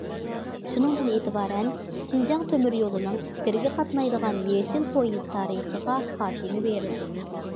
شۇنىڭدىن ئېتىبارەن، شىنجاڭ تۆمۈريولىنىڭ ئىچكىرىگە قاتنايدىغان« يېشىل پويىز» تارىخىغا خاتىمە بېرىلدى.